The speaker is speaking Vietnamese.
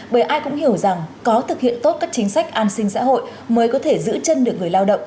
bởi ai cũng hiểu rằng có thực hiện tốt các chính sách an sinh xã hội mới có thể giữ chân được người lao động